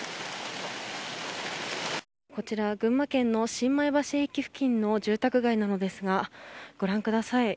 こちら、群馬県の新前橋付近の住宅街なのですがご覧ください。